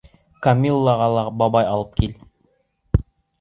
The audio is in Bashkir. Камилаға ла бабай алып кил.